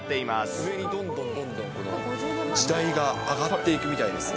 上にどんどん、こう、時代が上がっていくみたいですね。